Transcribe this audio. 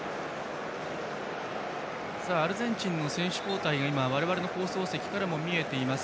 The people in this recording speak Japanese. アルゼンチンの選手交代が我々の放送席からも見えています。